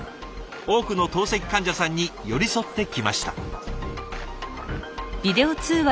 多くの透析患者さんに寄り添ってきました。